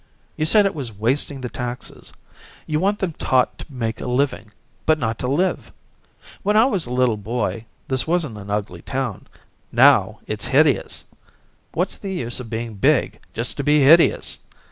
You said it was wasting the taxes. You want them taught to make a living, but not to live. When I was a little boy this wasn't an ugly town; now it's hideous. What's the use of being big just to be hideous?